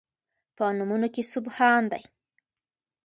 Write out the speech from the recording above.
په نومونو کې سبحان دی